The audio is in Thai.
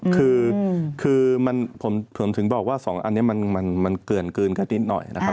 คือผมถึงบอกว่า๒อันนี้มันเกินแค่นิดหน่อยนะครับ